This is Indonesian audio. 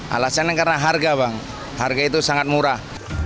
alasannya karena harga bang harga itu sangat murah